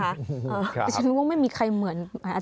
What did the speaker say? แต่ฉันรู้ว่าไม่มีใครเหมือนอาจารย์